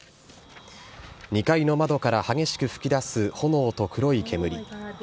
２階の窓から激しく噴き出す炎と黒い煙。